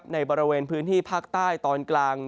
ในบริเวณพื้นที่ภาคใต้ตอนกลาง